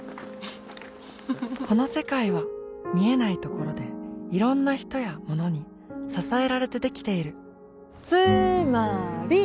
この世界は見えないところでいろんな人やものに支えられてできているつーまーり！